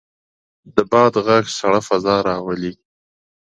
د باد غږ سړه فضا راولي.